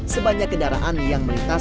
sebanyak kendaraan yang melintas